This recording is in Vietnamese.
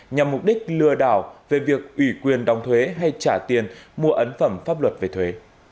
nhằm mục đích lừa đảo về việc ủy quyền đóng thuế hay trả tiền mua ấn phẩm pháp luật về thuế